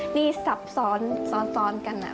นี่ซับซ้อนซ้อนกัน